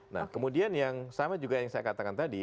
nah kemudian yang sama juga yang saya katakan tadi